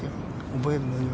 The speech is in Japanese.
覚えるのには。